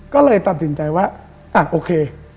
ก็เลยตัดสินใจว่าอ่ะโอเค